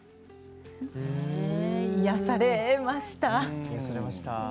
癒やされました。